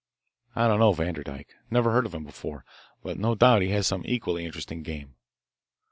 I don't know Vanderdyke, never heard of him before, but no doubt he has some equally interesting game."